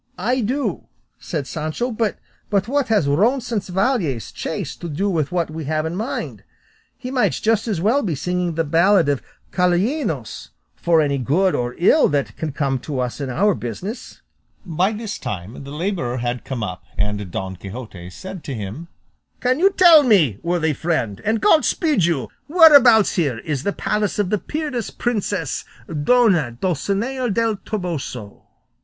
"I do," said Sancho, "but what has Roncesvalles chase to do with what we have in hand? He might just as well be singing the ballad of Calainos, for any good or ill that can come to us in our business." By this time the labourer had come up, and Don Quixote asked him, "Can you tell me, worthy friend, and God speed you, whereabouts here is the palace of the peerless princess Dona Dulcinea del Toboso?"